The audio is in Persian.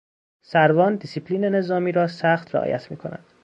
سروان دیسیپلین نظامی را سخت رعایت میکند.